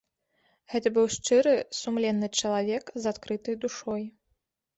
Гэта быў шчыры, сумленны чалавек з адкрытай душой.